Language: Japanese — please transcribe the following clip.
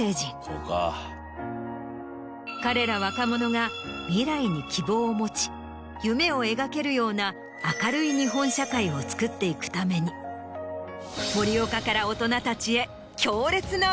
彼ら若者が未来に希望を持ち夢を描けるような明るい日本社会をつくっていくために森岡から。